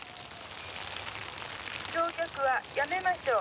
焼却はやめましょう。